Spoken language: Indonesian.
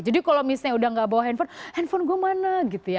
jadi kalau misalnya sudah tidak bawa handphone handphone gue mana gitu ya